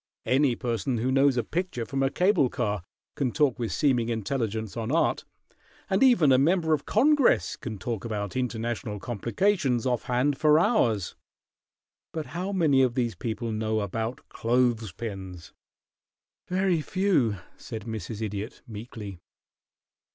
Any person who knows a picture from a cable car can talk with seeming intelligence on art, and even a member of Congress can talk about international complications off hand for hours; but how many of these people know about clothes pins?" "Very few," said Mrs. Idiot, meekly.